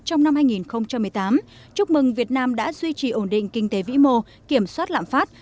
trong năm hai nghìn một mươi tám chúc mừng việt nam đã duy trì ổn định kinh tế vĩ mô kiểm soát lạm phát